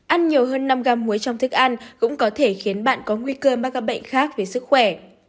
ăn nhiều hơn năm gam muối trong thức ăn cũng có thể khiến bạn có nguy cơ mắc các bệnh khác về sức khỏe